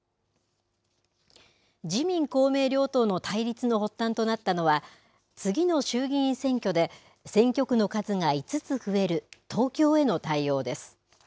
自民、公明両党の対立の発端となったのは、次の衆議院選挙で選挙区の数が５つ増える東京への対応です。